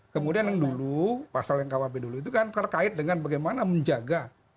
kemudian yang dulu pasal yang kuhp dulu itu kan terkait dengan bagaimana menjaga